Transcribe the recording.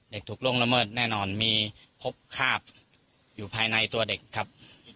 ถูกล่วงละเมิดแน่นอนมีพบคาบอยู่ภายในตัวเด็กครับ